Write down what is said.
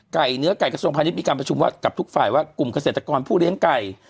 เนื้อไก่กระทรวงพาณิชยมีการประชุมกับทุกฝ่ายว่ากลุ่มเกษตรกรผู้เลี้ยงไก่